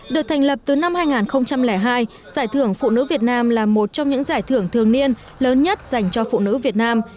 được thành lập từ năm hai nghìn hai giải thưởng phụ nữ việt nam là một trong những giải thưởng thường niên lớn nhất dành cho phụ nữ việt nam